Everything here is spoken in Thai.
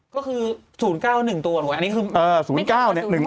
ก็คือ๐๙๑ตัวหนู